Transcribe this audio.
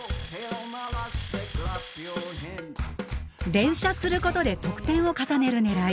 連射することで得点を重ねる狙い。